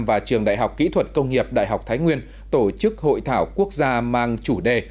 và trường đại học kỹ thuật công nghiệp đại học thái nguyên tổ chức hội thảo quốc gia mang chủ đề